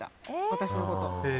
私のことを。